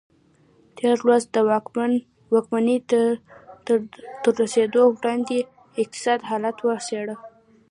تېر لوست د واکمنۍ ته تر رسېدو وړاندې اقتصادي حالت وڅېړه.